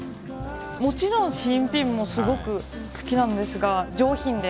もちろん新品もすごく好きなんですが上品で。